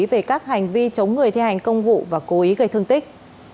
về các hành vi chống người thi hành công vụ và cố ý gây thương tích